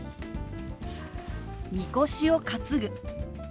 「みこしを担ぐ」。